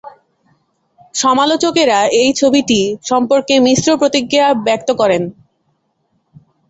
সমালোচকেরা এই ছবিটি সম্পর্কে মিশ্র প্রতিক্রিয়া ব্যক্ত করেন।